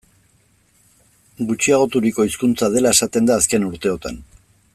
Gutxiagoturiko hizkuntza dela esaten da azken urteotan.